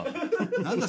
何だ？